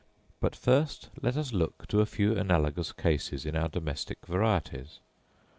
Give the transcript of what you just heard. But first let us look to a few analogous cases in our domestic varieties.